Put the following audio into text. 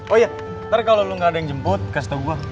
oh iya ntar kalo lu ga ada yang jemput kasih tau gua